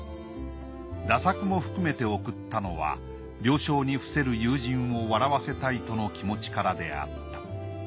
駄作も含めて送ったのは病床に伏せる友人を笑わせたいとの気持ちからであった。